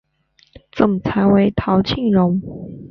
总裁为陶庆荣。